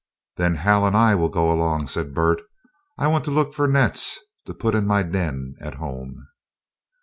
"Then Hal and I will go along," said Bert. "I want to look for nets, to put in my den at home."